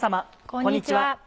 こんにちは。